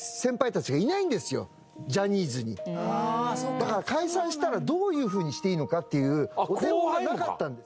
だから解散したらどういうふうにしていいのかっていうお手本がなかったんです。